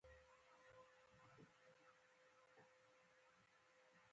لږ وړاندې سړک پراخېده، له هماغه ځایه مې ځنګل او غونډۍ ته وکتل.